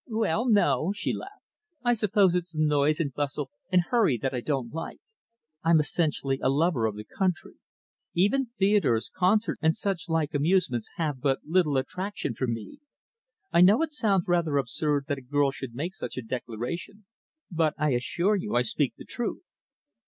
"Well, no," she laughed. "I suppose it's the noise and bustle and hurry that I don't like. I'm essentially a lover of the country. Even theatres, concerts and such like amusements have but little attraction for me. I know it sounds rather absurd that a girl should make such a declaration, but I assure you I speak the truth."